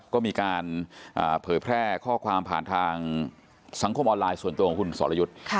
ก็มีการเผยแพร่ข้อความผ่านทางสังคมออนไลน์ส่วนตัวของคุณสรยุทธ์